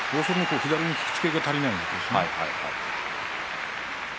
左の引き付けが足りないわけですね。